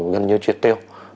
gần như triệt tiêu